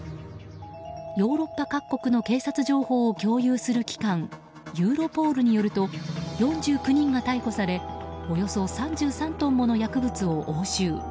ヨーロッパ各国の警察情報を共有する機関ユーロポールによると４９人が逮捕されおよそ３３トンもの薬物を押収。